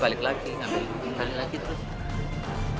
balik lagi terus